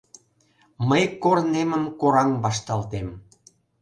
Мый корнемым кораҥ вашталтем.